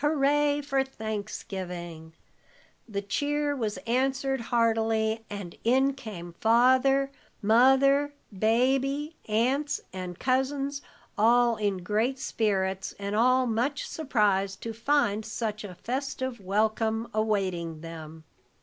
Hooray for Thanksgivin'!" The cheer was answered heartily, and in came Father, Mother, Baby, aunts and cousins, all in great spirits, and all much surprised to find such a festive welcome awaiting them.